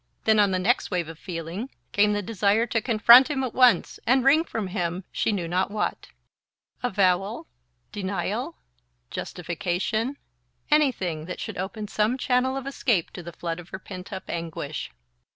Then, on the next wave of feeling, came the desire to confront him at once and wring from him she knew not what: avowal, denial, justification, anything that should open some channel of escape to the flood of her pent up anguish.